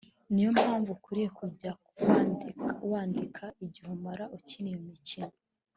ni yo mpamvu ukwiriye kujya wandika igihe umara ukina iyo mikino